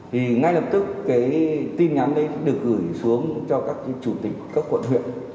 thì ngay lập tức cái tin nhắn đấy được gửi xuống cho các chủ tịch các quận huyện